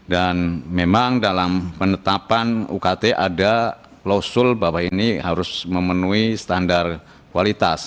dan memang dalam penetapan ukt ada klausul bahwa ini harus memenuhi standar kualitas